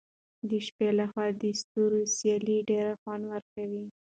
د شپې له خوا د ستورو سیل ډېر خوند ورکوي.